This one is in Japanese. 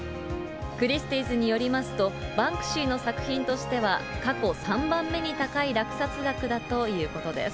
クリスティーズによりますと、バンクシーの作品としては、過去３番目に高い落札額だということです。